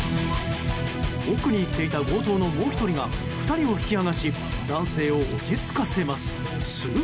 奥に行っていた強盗のもう１人が２人を引き剥がし男性を落ち着かせます。